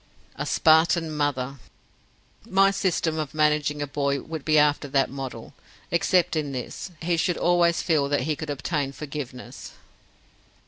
"A Spartan mother!" "My system of managing a boy would be after that model: except in this: he should always feet that he could obtain forgiveness."